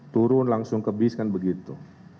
turun langsung ke bis kan begitu